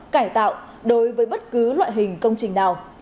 cải tạo đối với bất cứ loại hình công trình nào